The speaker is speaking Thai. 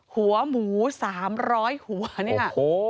หัวหมู๓๐๐หัวเนี่ย